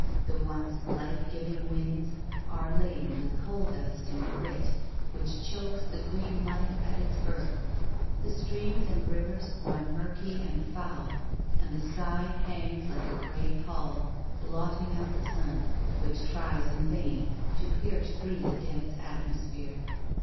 The once life giving winds are laden with coal dust and grit, which chokes the green life at its birth. The streams and rivers run murky and foul, and the sky hangs like a grey pall, blotting out the sun, which tries in vain to pierce through the dense atmosphere.